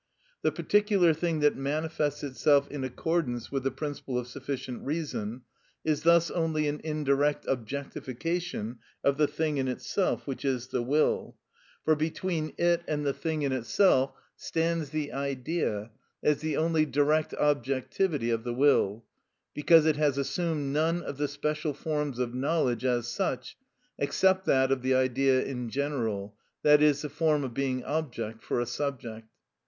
The particular thing that manifests itself in accordance with the principle of sufficient reason is thus only an indirect objectification of the thing in itself (which is the will), for between it and the thing in itself stands the Idea as the only direct objectivity of the will, because it has assumed none of the special forms of knowledge as such, except that of the idea in general, i.e., the form of being object for a subject.